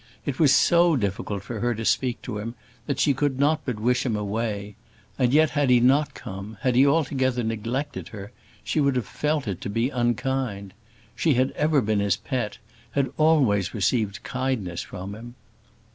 It was so difficult for her to speak to him that she could not but wish him away; and yet, had he not come, had he altogether neglected her, she would have felt it to be unkind. She had ever been his pet, had always received kindness from him.